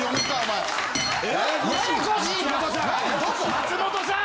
松本さん！